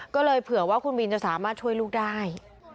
ก็เลยเผื่อว่าคุณบินจะสามารถช่วยลูกได้